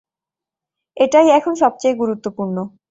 এটাই এখন সবচেয়ে গুরুত্বপূর্ণ।